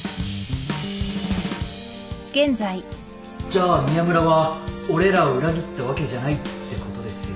じゃあ宮村は俺らを裏切ったわけじゃないってことですよね。